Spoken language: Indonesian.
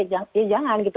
ya jangan gitu